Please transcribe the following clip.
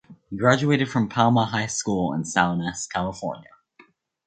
He graduated from Palma High School in Salinas, California.